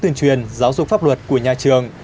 tuyên truyền giáo dục pháp luật của nhà trường